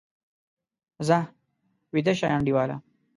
ځه، ویده شه انډیواله!